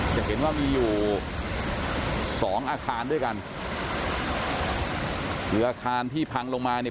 จะเห็นว่ามีอยู่สองอาคารด้วยกันคืออาคารที่พังลงมาเนี่ย